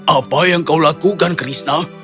apa yang kau lakukan krishna